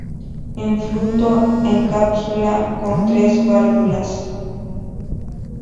En fruto en cápsula, con tres válvulas.